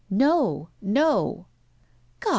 "No! No!" "God!